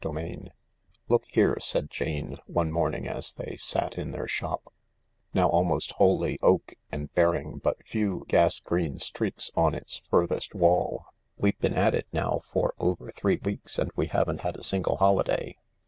" CHAPTER X ™ Look here," said Jane one morning as they sat in their shop, now almost wholly oak and bearing but few gas green streaks on its furthest wall, "we've been at it now for over three weeks and we haven't had a single holiday.